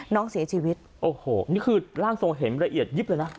น้องเสียชีวิตโอ้โหนี่คือร่างทรงเห็นละเอียดยิบเลยนะ